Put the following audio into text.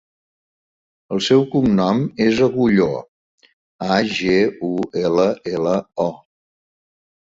El seu cognom és Agullo: a, ge, u, ela, ela, o.